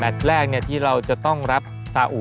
แรกที่เราจะต้องรับสาอุ